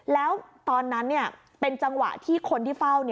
แล้วตอนนั้นเป็นจังหวะที่คนที่เฝ้า